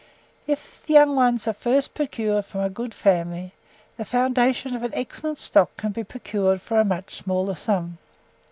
If young ones are first procured from a good family, the foundation of an excellent stock can be procured for a much smaller sum.